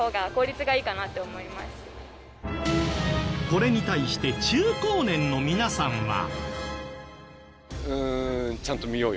これに対して中高年の皆さんは。